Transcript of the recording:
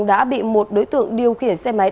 đã bị một đối tượng điều khiển xe máy